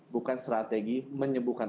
bukan strategi menyebuhkan